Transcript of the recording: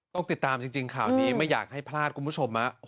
ต้องติดตามจริงข่าวนี้ไม่อยากให้พลาดคุณผู้ชม